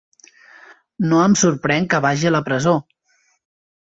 No em sorprèn que vagi a la presó.